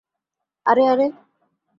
আরে, আরে।